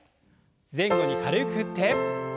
前後に軽く振って。